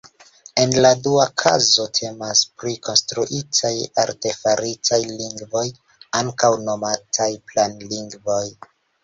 En la dua kazo temas pri konstruitaj, artefaritaj lingvoj, ankaŭ nomataj "planlingvoj".